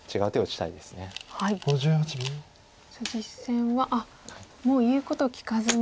さあ実戦はもう言うことを聞かずに。